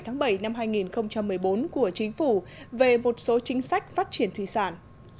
ngày bảy năm hai nghìn một mươi bốn của chính phủ về một số chính sách phát triển thủy sản